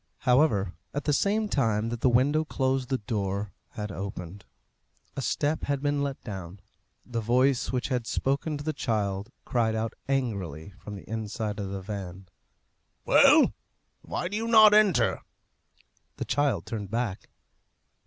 However, at the same time that the window closed the door had opened; a step had been let down; the voice which had spoken to the child cried out angrily from the inside of the van, "Well! why do you not enter?" The child turned back.